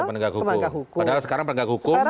penegak hukum padahal sekarang penegak hukum